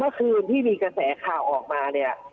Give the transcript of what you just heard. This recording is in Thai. คืนที่มีกระแสข่าวออกมาเนี่ย